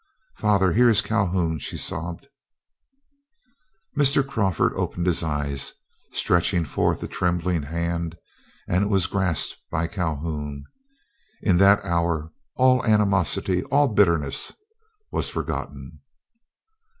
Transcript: "Father, here is Calhoun," she sobbed. Mr. Crawford opened his eyes, stretched forth a trembling hand, and it was grasped by Calhoun. In that hour all animosity, all bitterness, was forgotten.